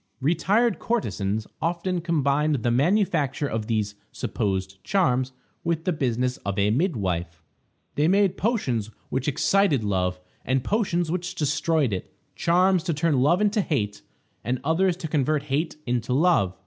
Retired courtesans often combined the manufacture of these supposed charms with the business of a midwife. They made potions which excited love and potions which destroyed it; charms to turn love into hate, and others to convert hate into love.